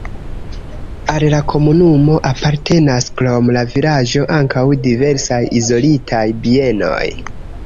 Al la komunumo apartenas krom la vilaĝo ankaŭ diversaj izolitaj bienoj.